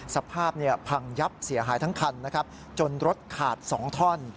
สภาพพังยับเสียหายทั้งคันนะครับจนรถขาด๒ท่อน